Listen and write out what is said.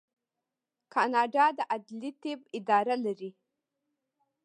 کاناډا د عدلي طب اداره لري.